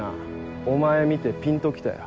お前見てピンと来たよ。